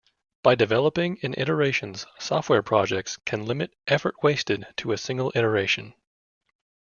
By developing in iterations, software projects can limit effort wasted to a single iteration.